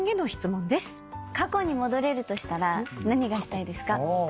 過去に戻れるとしたら何がしたいですか？